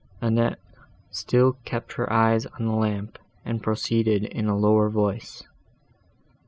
Annette still kept her eyes on the lamp, and proceeded in a lower voice.